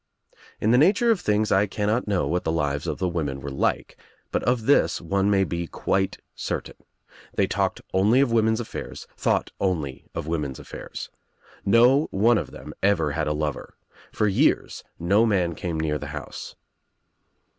In the nature of things I cannot know what the lives of the women were like but of this one may be quite certain — they talked only of women's affairs, thought only of women's affairs. No one of them ever had a lover. For years no man came near the house.